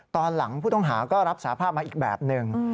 ตอนหลังผู้ต้องหาก็รับสาภาพมาอีกแบบหนึ่ง